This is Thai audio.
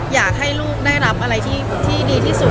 อยากให้ลูกได้รับอะไรที่ดีที่สุด